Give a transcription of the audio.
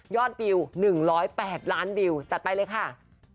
วิว๑๐๘ล้านวิวจัดไปเลยค่ะ